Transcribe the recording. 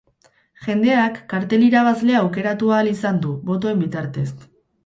Jendeak kartel irabazlea aukeratu ahal izan du, botoen bitartez.